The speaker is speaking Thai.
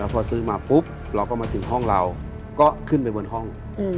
แล้วพอซื้อมาตึกมาถึงห้องเราก็ขึ้นไปพันห้อง